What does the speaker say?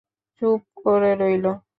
চুপ করে রইল।